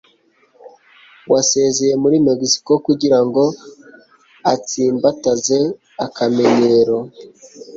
wasezeye muri mexico kugira ngo atsimbataze akamenyero